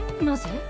なぜ？